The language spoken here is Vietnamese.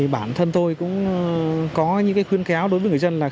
bản thân tôi cũng có những khuyên khéo đối với người dân là